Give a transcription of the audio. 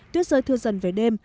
tuyết rơi thưa dần về đêm